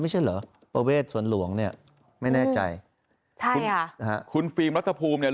ไม่ใช่เหรอประเวทสวนหลวงเนี่ยไม่แน่ใจใช่คุณค่ะนะฮะคุณฟิล์มรัฐภูมิเนี่ย